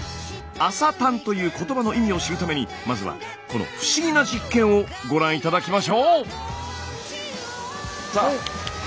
「朝たん」という言葉の意味を知るためにまずはこの不思議な実験をご覧頂きましょう。